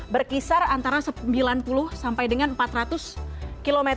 berkisar antara sembilan puluh sampai dengan empat ratus km